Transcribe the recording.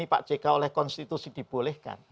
pak jk ini pak jk oleh konstitusi dibolehkan